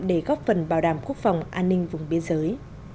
để góp phần bảo đảm quốc phòng an ninh vùng biên giới